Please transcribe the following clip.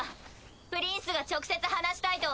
プリンスが直接話したいと。